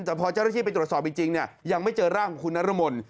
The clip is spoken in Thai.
แต่พอเจ้าระชีไปตรวจสอบจริงเนี่ยยังไม่เจอร่างคุณนรมนท์